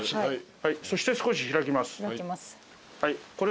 そして少し開きます。